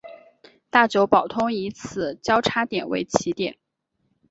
大久保通以此交差点为起点。